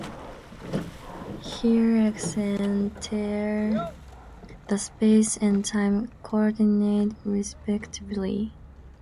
Here x and t are the space and time coordinates, respectively.